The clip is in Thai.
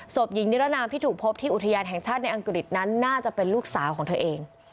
ศพหญิงนิรนามที่ถูกพบที่อุทยานแห่งชาติในอังกฤษนั้นน่าจะเป็นลูกสาวของเธอเอง